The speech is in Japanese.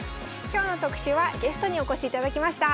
今日の特集はゲストにお越しいただきました。